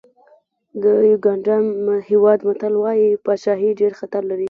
د یوګانډا هېواد متل وایي پاچاهي ډېر خطر لري.